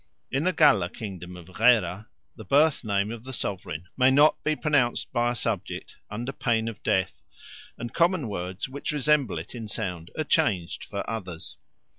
In the Galla kingdom of Ghera the birth name of the sovereign may not be pronounced by a subject under pain of death, and common words which resemble it in sound are changed for others.